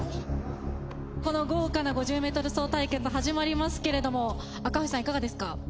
この豪華な５０ｍ走対決始まりますけれども赤星さんいかがですか？